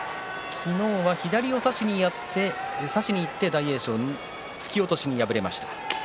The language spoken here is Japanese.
昨日は左を差しにいって大栄翔に突き落としで敗れました。